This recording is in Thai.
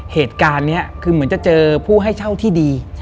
เหตุการณ์นี้คือเหมือนจะเจอผู้ให้เช่าที่ดี